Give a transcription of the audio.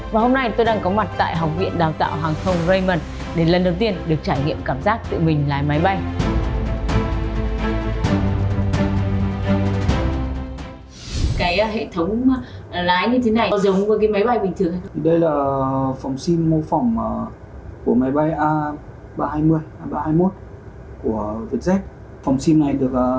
và hôm nay tôi đang có mặt tại học viện đào tạo hàng thông raymond để lần đầu tiên được trải nghiệm cảm giác tự mình lái máy bay